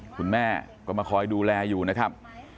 คุณแม่ก็มาคอยดูแลอยู่นะครับ